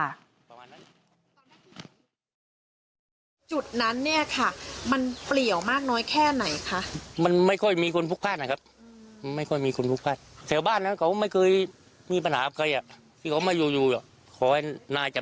เราไปต่อที่วัดพระพุทธศิหิงนะคะ